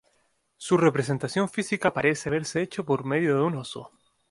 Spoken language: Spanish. Su representación física parece haberse hecho por medio de un oso.